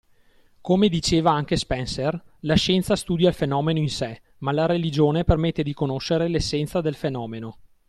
Come diceva anche Spencer la scienza studia il fenomeno in sé ma la religione permette di conoscere l'essenza del fenomeno.